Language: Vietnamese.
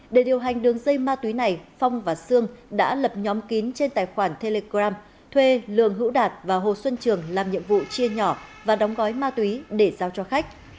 để điều hành đường dây ma túy này phong và sương đã lập nhóm kín trên tài khoản telegram thuê lường hữu đạt và hồ xuân trường làm nhiệm vụ chia nhỏ và đóng gói ma túy để giao cho khách